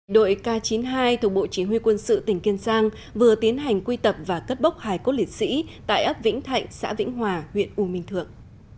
đội k chín mươi hai thuộc bộ chỉ huy quân sự tỉnh kiên giang vừa tiến hành quy tập và cất bốc hải cốt liệt sĩ tại ấp vĩnh thạnh xã vĩnh hòa huyện u minh thượng